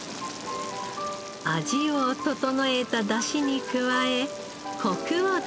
味を調えた出汁に加えコクを出します。